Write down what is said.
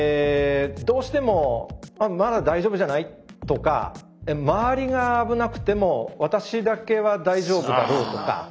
どうしてもまだ大丈夫じゃない？とか周りが危なくても私だけは大丈夫だろうとか。